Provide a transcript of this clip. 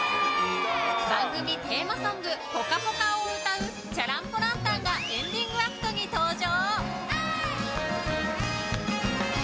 番組テーマソング「ぽかぽか」を歌うチャラン・ポ・ランタンがエンディングアクトに登場。